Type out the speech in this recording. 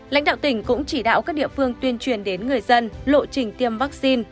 lãnh đạo tỉnh cũng chỉ đạo các địa phương tuyên truyền đến người dân lộ trình tiêm vaccine